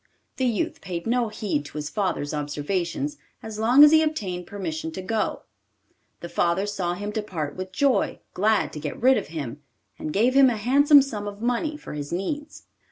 The youth paid no heed to his father's observations as long as he obtained permission to go. The father saw him depart with joy, glad to get rid of him, and gave him a handsome sum of money for his needs.